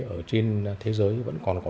ở trên thế giới vẫn còn có